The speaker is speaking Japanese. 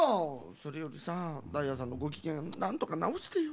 それよりさダイヤさんのごきげんなんとかなおしてよ。